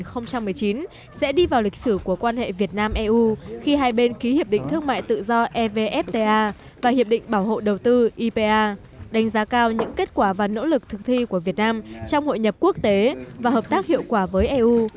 tổng thống chile bày tỏ mong muốn thúc đẩy hơn nữa quan hệ việt nam eu khi hai bên ký hiệp định thương mại tự do evfta và hiệp định bảo hộ đầu tư ipa đánh giá cao những kết quả và nỗ lực thực thi của việt nam trong hội nhập quốc tế và hợp tác hiệu quả với eu